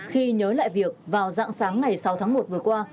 khi nhớ lại việc vào dạng sáng ngày sáu tháng một vừa qua